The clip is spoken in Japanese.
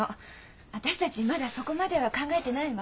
私たちまだそこまでは考えてないわ。